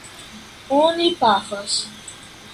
Oni pafas.